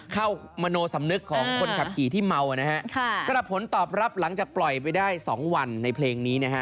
มโนสำนึกของคนขับขี่ที่เมานะฮะสำหรับผลตอบรับหลังจากปล่อยไปได้๒วันในเพลงนี้นะฮะ